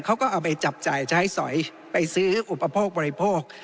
เขาก็เอาไปจับจ่ายใช้สอยไปซื้ออุปโภคบริโภค